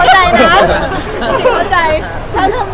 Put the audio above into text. แต่ว่าชิคกี้พายเข้าใจนะ